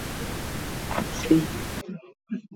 Ko taita niko itavyrainunga ñandehegui